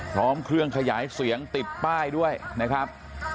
พร้อมเครื่องขยายเสียงติดป้ายด้วยนะครับ